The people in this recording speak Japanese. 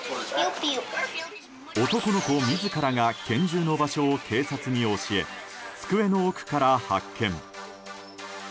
男の子自らが拳銃の場所を警察に教え机の奥から発見。